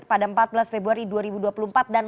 pada empat belas februari dua ribu dua puluh empat dan